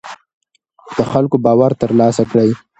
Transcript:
د خلکو باور تر لاسه کړئ